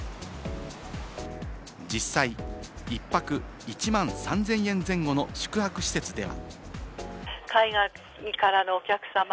実際、１泊１万３０００円前後の宿泊施設では。